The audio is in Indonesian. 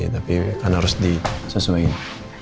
tapi kan harus disesuaiin